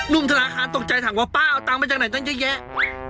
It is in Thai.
ธนาคารตกใจถามว่าป้าเอาตังค์มาจากไหนตั้งเยอะแยะ